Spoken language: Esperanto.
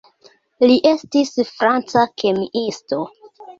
Li estis franca kemiisto.